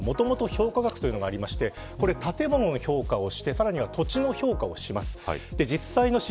マンションの相続税はもともと評価額がありまして建物の評価をしてさらに土地の評価をします。